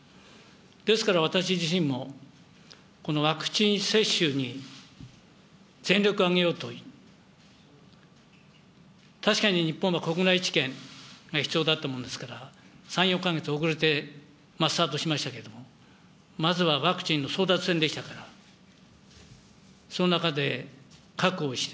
ですから私自身も、このワクチン接種に全力を挙げようと、確かに日本は国内治験が必要だったものですから、３、４か月遅れてスタートしましたけれども、まずはワクチンの争奪戦でしたから、その中で確保して、